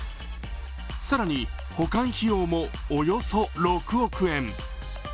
更に、保管費用もおよそ６億円。